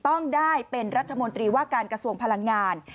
ต้องได้เป็นรัฐมนตรีว่าการกระทรวงพลังงาน